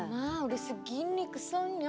ma udah segini keselnya